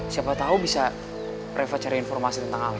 siapa tau bisa reva cari informasi tentang alex